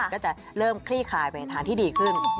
ก็จะเริ่มคลี่คลายไปในทางที่ดีขึ้น